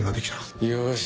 よし。